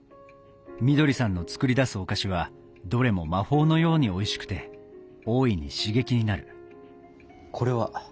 みどりさんの作り出すお菓子はどれも魔法のようにおいしくて大いに刺激になるこれは？